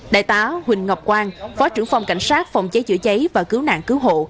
đại tá huỳnh ngọc quang phó trưởng phòng cảnh sát phòng cháy chữa cháy và cứu nạn cứu hộ